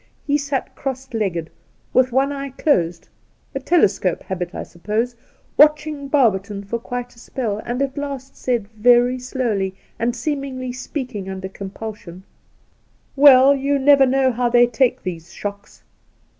He sat cross legged, with one eye closed — a tele scope habit, I suppose — watching Barberton for, quite a spell, and at last said, very slowly, and seemingly speaking under compulsion : 'Well, you never know how they take these shocks.